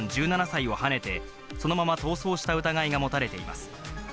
１７歳をはねて、そのまま逃走した疑いが持たれています。